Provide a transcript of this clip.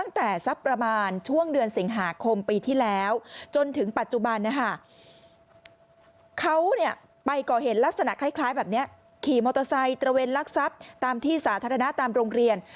ในตระเวนลักษัพตามที่สาธารณะตามโรงเรียน